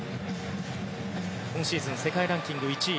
今シーズン世界ランキング１位。